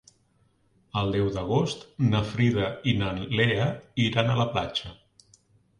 El deu d'agost na Frida i na Lea iran a la platja.